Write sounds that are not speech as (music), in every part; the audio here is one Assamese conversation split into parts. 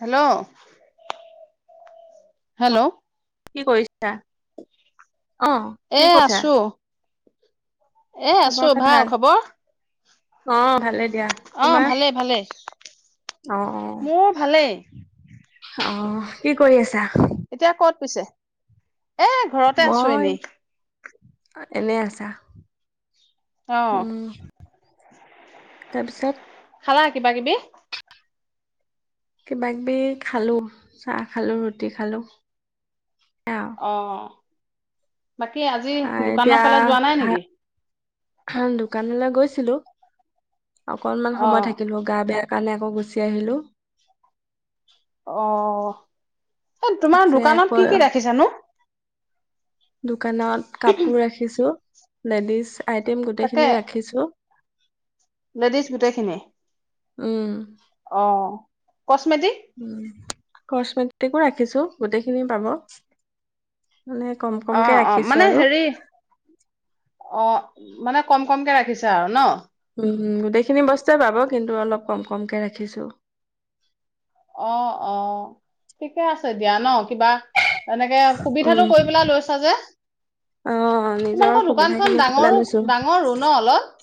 হেল্লৌ' অ হেল্লৌ' কি কৰিছা? অঁ' এ আছো। এ আছো খবৰ খাত ভাল? খবৰ অঁ' ভালেই- দিয়া, অ তোমাৰ? ভালেই ভালেই অঁ অঁ' মোৰ ভালেই অঁ' কি কৰি আছা? এতিয়া কত পিছে? এ- ঘৰতে আছো মই এনেই এনেই আছা। অঁ' উম তাৰপিছত, - খালা কিবা কিবি? কিবা কিবি খালো, চাহ খালো ৰুটি খালো সেয়ায় আও। অঁ' বাকী আজি দোকানৰ ফালে যোৱা নাই নেকি? হ দোকানলে গৈছিলো, অকনমান অ সময় থাকিলো গা বেয়া- কাৰণে আকৌ গুচি আহিলোঁ। অ' এ তোমাৰ তাৰপিছত আকৌ দোকানত কি কি ৰাখিছা নো? দোকানত কাপোৰ ৰাখিছো, লেডিজ- আইটেম তাকে গোটেইখিনিয়ে ৰাখিছো। লেডিজ গোটেইখিনি। উম' অঁ' কচমেতি- উম' কচ্মেটিকো ৰাখিছো, গোটেইখিনি পাব। মানে কম অ কমকে অ ৰাখিছো আৰু। অঁ' মানে কম কমকে ৰাখিছে আৰু ন। উম' গোটেইখিনি বস্তুৱে পাব কিন্তু, অলপ কম কমকে ৰাখিছো। অঁ অঁ ঠিকে আছে দিয়া ন, কিবা- তেনেকে সুবিধাটো উম কৰি পেলাই লৈছা যে। অ নিজৰ তোমালোকৰ সুবিধা দোকানখন ডাঙৰো ডাঙৰো ন অলপ।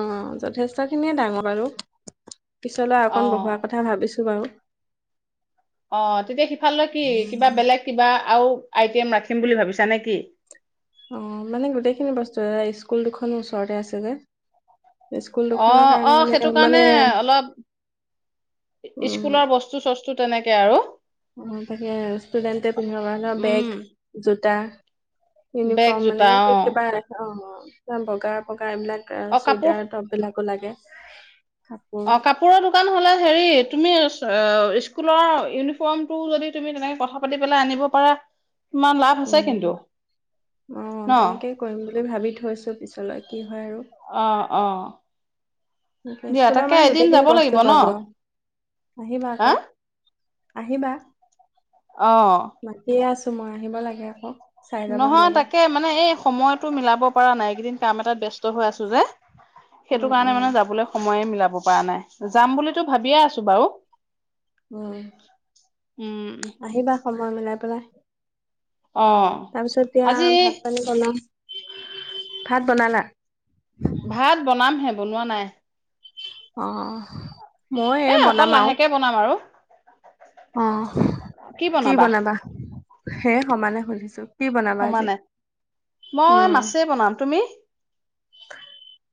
অঁ' যথেষ্ট খিনিয়ে ডাঙৰ বাৰু পিছলৈ অ অকণ বহোৱা কথ- সে ভাবিছোঁ বাৰু। অঁ' তেতিয়া সিফালে কি কিবা বেলেগ কিবা আৰু আইটেম ৰাখিম বুলি ভাবিছা নে কি? অঁ' মানে গোটেইখিনি বস্তু স্কুল দুখন ওচৰতে আছে যে। স্কুল দুখনৰ অঁ কাৰণে অঁ মানে সেইটো কাৰণে মানে অলপ উম স্কুলৰ বচ- চো চস্তু তেনেকে আৰু। অঁ, তাকে ষ্টুডেণ্টে পিন্ধিব কাৰণে উম বেগ, জোতা- বেগ ইউনিফৰ্ম জোতা এনে কে অ কিবা- অঁ অঁ, বগা বগা এইবিলাক অ কাপোৰ চুইদাৰ টপ বিলাকো লাগে। কাপোৰ অঁ' কাপ- কাপোৰৰ দোকান হ'লে হেৰি, তুমি এ স্কুলৰ ইউনিফৰ্মটো যদি তুমি তেনেকে কথা পাতি পেলাই আনিব পাৰা, তোমাৰ লাভ আছে উম কিন্তু অ ন'। তেনেকেই কৰিম বুলি ভাবি থৈছো পিছলৈ, কি হয় আৰু! অঁ, অঁ। সেইটোৱে, স্কুলৰ মানে যাব গোটেইখিনি লাগিব বস্তু ন পাব, আহিবা হা আকৌ। আহিবা। অঁ। মাতিয়ে আছো মই, আহিব লাগে আক। নহয় তাকে মানে এই সময়তো মিলাব পৰা নাই, এইকেইদিন কাম এটাত ব্যস্ত হৈ আছো যে। সেইটো উম কাৰণে উম মানে যাবলৈ সময়ে মিলাব পৰা নাই, যাম বুলিতো ভাবিয়ে আছো বাৰু। উম, উম আহিবা সময় মিলাই পেলাই। অঁ। তাৰপিছত এতিয়া, ভাত পানী বনাম। ভাত বনালা? ভাত বনামহে বনোৱা নাই। অঁ, অঁহ। এ, অকণ লাহেকে বনাম আৰু। অঁহ। কি বনাবা? সে সমানে সুধিছো। কি বনাবা আজি? সমানে মই মাছেই বনাম। তুমি?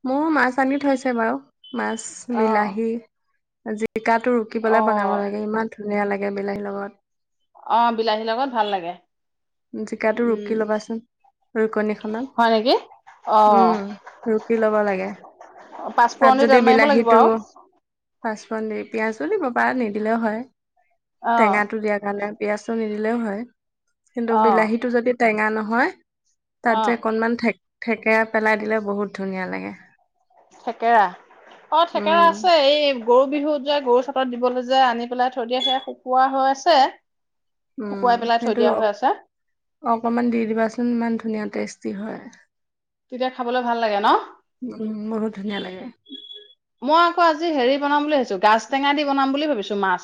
মোৰো মাছ আনি থৈছে বাৰু। মাছ, অ বিলাহী, জি জিকাটো ৰুকি অ পেলাই বনাব লাগে, ইমান ধুনীয়া লাগে বিলাহীৰ লগত। অঁ, বিলাহী লগত ভাল লাগে। জিকাটো উম ৰুকি ল'বাচোন হয় নেকি ৰুকনিখনত, অ উম ৰুকি ল'ব লাগে। তাত পাঁচফোৰণিত যদি তেল মাৰিব লাগিব বিলাহীটো আৰু পাঁচফুৰণ দি পিয়াঁজো দিব পাৰা নিদিলেও হয়, অ', টেঙাটো দিয়াৰ কাৰণে পিঁয়াজটো নিদিলেও হয়। কিন্তু অ', বিলাহীটো যদি টেঙা নহয়, তাত যে অ', অকনমান থে থেকেৰা পেলাই দিলে বহুত ধুনীয়া লাগে। থেকেৰা? অ' থেকেৰা উম আছে এই গৰু বিহুত যে গৰু চতত দিবলে যে আনি পেলাই থৈ দিয়ে, সেই শুকোৱা হৈ আছে। উম শুকুৱাই পেলাই থৈ দিয়া সেইটো হৈ আছে। অকমান দি দিবাচোন ইমান ধুনীয়া টেষ্টি হয়। তেতিয়া খাবলৈ ভাল লাগে ন? উম বহুত ধুনীয়া লাগে মই আকৌ আজি হেৰি বনাম বুলি ভাবিছো, গাজ টেঙা দি বনাম বুলি ভাবিছো মাছ।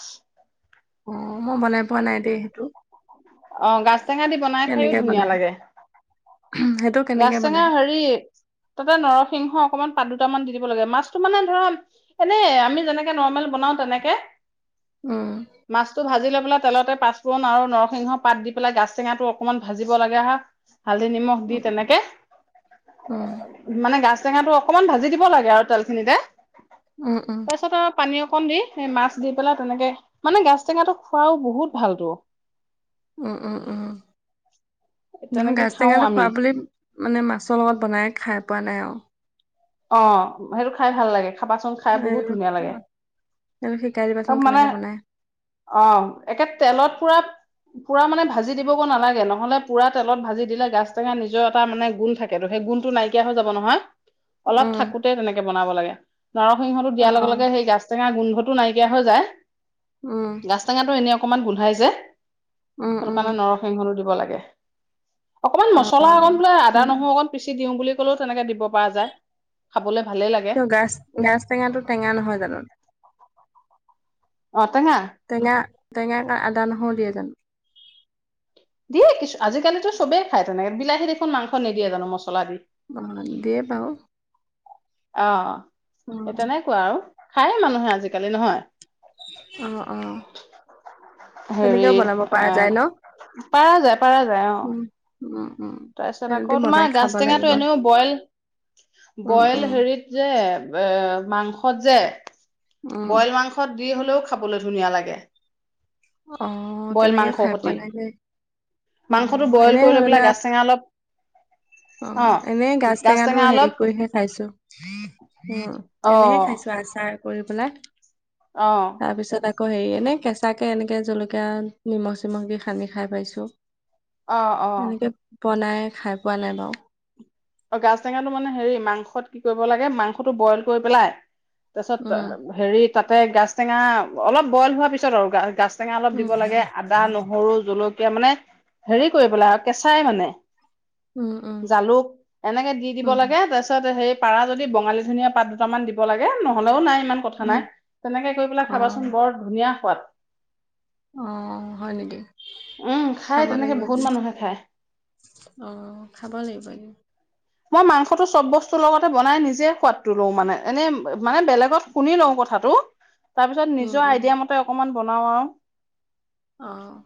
অঁ, মই বনাই পোৱা নাই দেই সেইটো। অঁ, গাজ টেঙা দি বনাই খাইওঁ কেনেকে ধুনীয়া বনাই লাগে, সেইটো গাজ কেনেকে টেঙা বনাই হেৰি তাতে নৰসিংহ অকনমান পাত দুটামান দি দিব লাগে। মাছটো মানে ধৰা এনেই আমি যেনেকে নৰ্মেল বনাওঁ তেনেকে। উম। মাছটো ভাজি লৈ পেলাই তেলতে পাঁচফোৰণ আৰু নৰসিংহ পাত দি পেলাই গাজ টেঙাটো অকনমান ভাজিব লাগে আ, হালধি নিমখ দি তেনেকে উম মানে গাাজ টেঙাটো অকণমান ভাজি দিব লাগে আৰু তেলখিনিতে। উম উম উম তাৰপিছত আৰু, পানী অকণ দি সেই মাছ দি পেলাই তেনেকে মানে, গাজ টেঙাটো খোৱাও বহুত ভাল টো। উ, উ, উম, নহয় তেনেকে গাজ খাও টেঙাটো আমি খোৱা বুলি মানে মাছৰ লগত বনাই খাই পোৱা নাই আৰু। অ', সেইটো খাই ভাল লাগে খাবাচোন। খাই বহুত ধুনীয়া লাগে (unintelligible) এই শিকাই দিবাচোন আৰু মানে কেনেকে বনায়। অ', একে তেলত পুৰা পুৰা মানে ভাজি দিবগৈ নালাগে, নহলে পুৰা তেলত ভাজি দিলে গাছ টেঙা নিজৰ এটা মানে গুন্ধ থাকে। তেলতে গুন্ধটো নাইকিয়া হৈ যাব নহয়। অলপ উম থাকোতেই তেনেকে বনাব লাগে, নৰসিংহটো অ দিয়াৰ লগে লগে সেই গাছ টেঙা গোন্ধটো নাইকিয়া হৈ যায়। উম। গাছ টেঙাটো এনে অকমান গোন্ধাই যে, উম সেইটো উম কাৰণে নৰসিংহটো দিব লাগে। অকণমান অ মছলা অকণ বোলে আদা উম, নহৰু অকণ পিচি দিওঁ বুলি ক'লেও তেনেকে দিব পৰা যায়। খাবলৈ ভালে লাগে। গাছ-গাছ টেঙাটো টেঙা নহয় জানো। অ', টেঙা। টেঙা, টেঙাত আদা নহৰু দিয়ে জানো। দিয়ে কিছু আজিকালিতো চবেই খাই তেনেকে, বিলাহীত দেখোন মাংস নিদিয়ে জানো মছলা দি। অ', দিয়ে বাৰু। অ', উম, সেই তেনেকুৱা আৰু খায়ে মানুহে আজিকালি নহয়। অ', অ'। হেৰি তেনেকেও বনাব পৰা আহ, যায় ন? পাৰা যায়, পাৰা যায় অ'। উম, উম, উম। তাৰপিছত তেনেদি আকৌ বনাই তোমাৰ খাব লাগিব। গাাজটেঙাটো এনেও বইল উম, বইল উম, হেৰিত যে এ মাংসত যে, উম, বইল মাংস (unintelligible) দি হ'লেও খাবলৈ ধুনীয়া লাগে। অ', বইল তেনেকে মাংস খাই সতি পোৱা নাই দেই। মাংসটো অ', বইল এনে কৰি লৈ পেলাই ধৰা গাজ টেঙা অলপ অ', এনে গাছ গাজ টেঙাটো টেঙা হেৰি অলপ কৰিহে খাইছো। অ', অ এনেহে খাইছো আচাৰ। কৰি পেলাই। অ'। তাৰ পিছত আকৌ হেৰি এনে কেঁচা তাকে এনেকে জলকীয়া নিমখ চিমখ দি সানি খাই পাইছো, অ অ এনেকে। বনাই খাই পোৱা নাই বাৰু। অ', গাজ টেঙাটো মানে হেৰি মাংসত কি কৰিব লাগে, মাংসটো বইল কৰি পেলাই উম, তাৰপিছত হেৰি তাতে গাছ টেঙা অলপ বইল হোৱা পিছত আৰু গা-গাছ টেঙা অলপ উম, দিব লাগে আদা, নহৰু, জলকীয়া মানে হেৰি কৰি পেলাই আৰু কেঁচাই মানে উম, উম। এনেকৈ দি দিব উম, লাগে। তাৰপিছত সেই পাৰা যদি বঙালী ধনীয়া পাত দুটামান দিব লাগে, নহ'লেও নাই ইমান। কথা উম, নাই, তেনেকে কৰি পেলাই খাবাচোন অ', বৰ ধুনীয়া সোৱাদ। অ', হয় নেকি? উম, খাই খাব তেনেকে লাগিব বহুত এদিন। মানুহে খায়। অ', খাব লাগিব এ। মই মাংসটো চব বস্তুৰ লগতে বনাই নিজে সোৱাদটো লও মানে, এনেই মানে বেলেগত শুনি লওঁ কথাটো। তাৰ পিছত উম, নিজৰ উম। আইডিয়া মতে অকমান বনাও আৰু। অ'।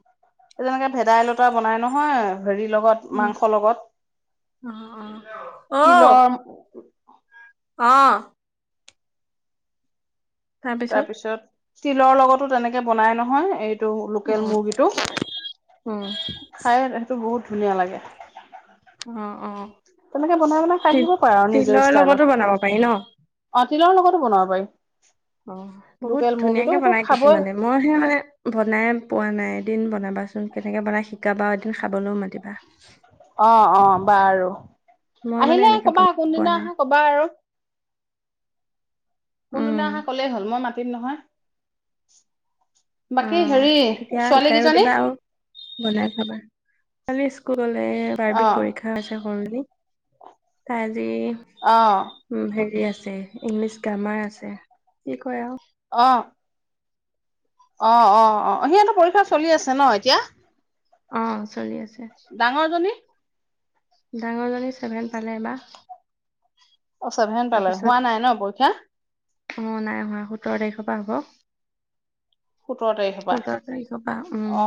তেনেকে ভেদাইলতা বনাই নহয় হেৰিৰ লগত, উম, মাংস লগত। অ', অ'। অ', তিলম। অ'। তাৰপিছত? তাৰপিছত তিলৰ লগতো তেনেকে বনাই নহয়। এই টো উম, লোকেল মুৰ্গীটো উম, খাই সেইটো বহুত ধুনীয়া লাগে। অ' অ'। তেনেকে বনাই বনাই খাই তিল থাকিব পাৰা নিজৰ তিলৰ লগতো ষ্টাইলত। বনাব পাৰি ন? অ' তিলৰ লগতো বনাব পাৰি। অ' বহুত লোকেল মুৰ্গীটো ধুনীয়াকে সেইটো বনাই খাবই কিছুমানে। মই সে মানে বনাই পোৱা নাই এদিন বনাবাচোন, কেনেকে বনাই শিকাবা এদিন খাবলৈও মাতিবা। অ' অ' বাৰু! মই মানে আহিলে এনেকে কবা বনাই পোৱা কোনদিনা নাই, আহা কব কবা আৰু, কোনদিনা উম, আহা কলেই হ'ল। মই মা তিম নহয়, বাকী অ', হেৰি তেতিয়া ছোৱালী শিকায়ো কিজনী? দিবা আৰু বনাই খাবা, ছোৱালী স্কুললে অ (unintelligible) পৰীক্ষা। (unintelligible) তাই আজি অ'। উম, হেৰি আছে ইংলিছ গ্ৰামাৰ আছে কি কয় আৰু। অঁ। অ' অ' অ', সিহঁতো পৰীক্ষা চলি আছে ন এতিয়া? অ' চলি আছে। ডাঙৰজনী? ডাঙৰজনী ছেভেন পালে এইবা। অ' ছেভেন পালে হোৱা নাই ন পৰীক্ষা। অ' নাই হোৱা সোতৰ তাৰিখৰ পৰা হ'ব। সোতৰ তাৰিখৰ পৰা সোতৰ তাৰিখৰ পৰা উম। অ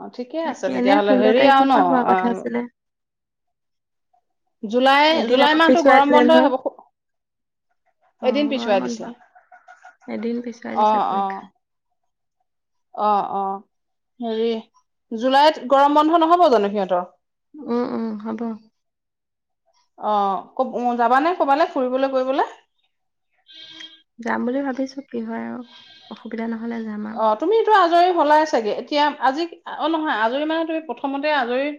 অ' ঠিকে আছে তাকে এনে তেতিয়াহ'লে, অ' ষোল্ল হেৰি আও তাৰিখৰ ন পৰা হোৱা কথা আছিলে জুলাই এদিন জুলাই আকৌ মাহটো পিছুৱাই গৰম দিলে বন্ধই নহয় হ'ব। অ এদিন গৰম পিছুৱাই বন্ধ দিছে। এদিন পিছুৱাই দিছে অ' অ'! পৰীক্ষা অ' অ' হেৰি জুলাইত গৰম বন্ধ নহ'ব জানো সিহঁতৰ। উম উম হ'ব। অ' ক যাবানে কবালে ফুৰিবলে কৰিবলে? যাম বুলি ভাবিছো, কি হয় আও অসুবিধা নহলে যাম আও। তুমিটো আজৰি হলাই চাগে, এতিয়া আজি অ' নহয় আজৰি মানে তুমি প্ৰথমতে আজৰি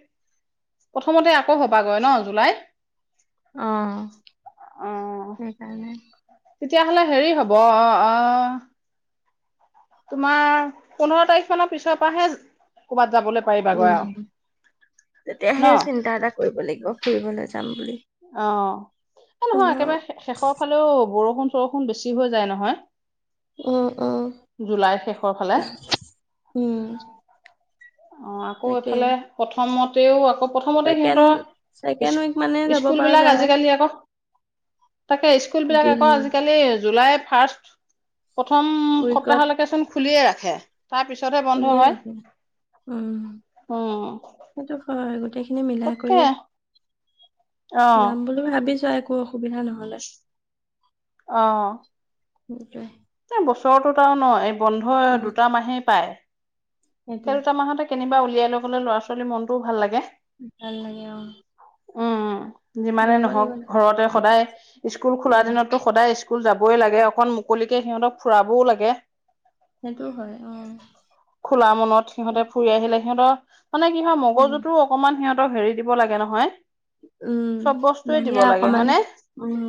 প্ৰথমতে আকৌ হবাগৈ ন জুলাইত। অ' অ সেইকাৰণে। তেতিয়াহ'লে হেৰি হ'ব। অ' অ'! তোমাৰ পোন্ধৰ তাৰিখ মানৰ পিছৰ পৰাহে কৰ'বাত যাবলে। উম, ন তেতিয়াহে চিন্তা এটা কৰিব লাগিব ফুৰিবলৈ যাম বুলি। অ' এই নহয় পোন্ধৰ একেবাৰে শেষৰ ফালেও বৰষুণ বৰষুণ বেছি হৈ যায় অ', অ', নহয় জুলাইৰ শেষৰ ফালে। উম। অঁ আকৌ তাকে এইফালে প্ৰথমতেও আকৌ প্ৰথমতে ছেকেণ্ড সিহঁতৰ ছেকেণ্ড উইক মানে যাব পৰা স্কুলবিলাক যায় আজিকালি আকৌ তাকে স্কুলবিলাক জুন আকৌ আজিকালি জুলাই ফাৰ্ষ্ট প্ৰথম উইকত সপ্তাহলৈকে চোন খুলিয়ে ৰাখে, তাৰ পিছতহে বন্ধ হয় (unintelligible) উম। উম সেইটো হয় গোটেই খিনি মিলাই তাকে কৰি অ যাম বুলিও ভাবিছো একো অসুবিধা নহ'ল অ সেইটোৱে এই বছটোত আও ন এই বন্ধ উম, দুটা মাহেই পায় সেই সেইটোৱে দুটা মাহতে কেনিবা উলিয়াই লৈ গ'লে ল'ৰা ছোৱালীৰ মনটোও ভাল লাগে ভাল লাগে অ উম যিমানে যাব নহওক লাগিব তেনেকে ঘৰতে ভাবি সদায় থৈছো স্কুল খোলা উম, দিনতো সদায় স্কুল যাবই লাগে অকণ মুকলিকে সিহঁতক ফুৰাবও লাগে সেইটোও হয় অ খোলা মনত সিহঁতে ফুৰি আহিলে সিহঁতৰ মানে কি হয় উম, মগজুটো অকমান সিহঁতক হেৰি দিব লাগে নহয় চব উম বস্তুৱে দিব বাহিৰা লাগে অকমান হয়নে উম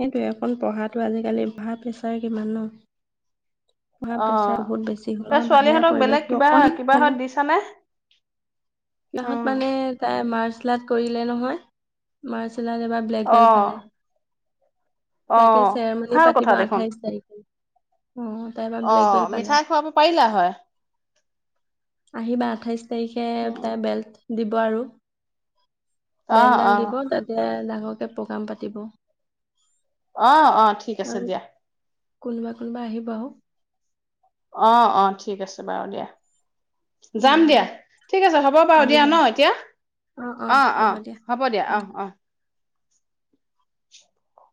সেইটোয়ে অকণ পঢ়াটো আজিকালি ভাৱ প্ৰেছাৰ কিমান ন পঢ়া অ প্ৰেছাৰ বহুত বেছি তই হ'ল বাহিৰা ছোৱালীহঁতক বেলেগ পৰিৱেশটো কিবা অকণমান কিবাহত চালে দিছানে সিহঁত উম মানে তাই মাৰ্চেল আৰ্ট কৰিলে নহয় মাৰ্চেল আৰ্ট এবাৰ ব্লেক বেল্ট ফালে অহ চেৰেমনী ভাল পাতিব কথা দেখোন আঠাইছ তাৰিখে অ তাই এবাৰ ব্লেক অহ বেল্ট পালে মিঠাই খোৱাব পাৰিলা হয় আহিবা আঠাইশ তাৰিখে উম তাই বেল্ট দিব আৰু অ অ বেলডাল দিব তাতে ডাঙৰকে প্ৰগ্ৰাম পাতিব অ অ ঠিক আছে আৰু দিয়া কোনোবা কোনোবা আহিব আও অ অ ঠিক আছে বাৰু দিয়া যাম উম দিয়া ঠিক আছে হ'ব বাৰু দিয়া আহিবা ন এতিয়া অ অ হ'ব দিয়া অ উম অ (unintelligible)